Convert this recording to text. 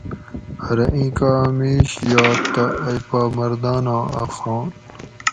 ارو ایں کاں میش یات تہ ائ پا مرداناں اۤ خان